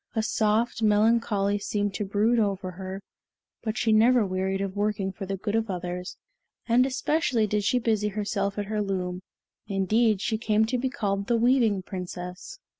A soft melancholy seemed to brood over her, but she never wearied of working for the good of others, and especially did she busy herself at her loom; indeed she came to be called the Weaving Princess.